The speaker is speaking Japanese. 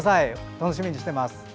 楽しみにしています。